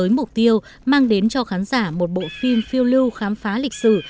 với mục tiêu mang đến cho khán giả một bộ phim phiêu lưu khám phá lịch sử